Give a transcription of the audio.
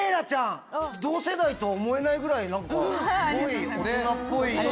同世代と思えないぐらいすごい大人っぽいし。